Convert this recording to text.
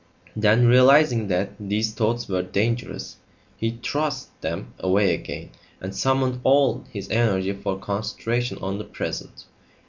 Then realising that these thoughts were dangerous, he thrust them away again and summoned all his energy for concentration on the present.